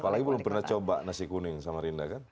apalagi belum pernah coba nasi kuning samarinda kan